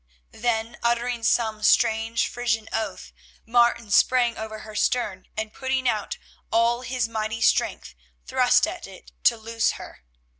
Then uttering some strange Frisian oath, Martin sprang over her stern, and putting out all his mighty strength thrust at it to loose her.